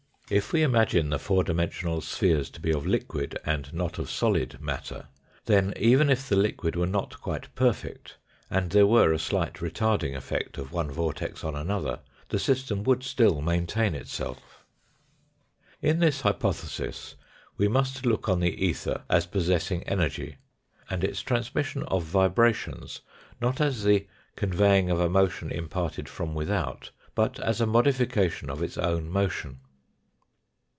If we imagine the four dimensional spheres to be of liquid and not of solid matter, then, even if the liquid were not quite perfect and 15 226 THE FOURTH DIMENSION there were a slight retarding effect of one vortex on another, the system would still maintain itself. In this hypothesis we must look on the ether as possessing energy, and its transmission of vibrations, not as the conveying of a motion imparted from without, but as a modification of its own motion.